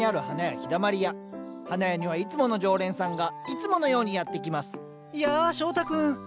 花屋にはいつもの常連さんがいつものようにやって来ますやあ翔太君。